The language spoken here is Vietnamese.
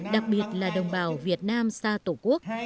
đặc biệt là đồng bào việt nam xa tổ quốc